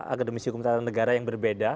akademisi hukum tata negara yang berbeda